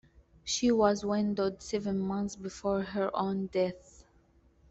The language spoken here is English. She was widowed seven months before her own death.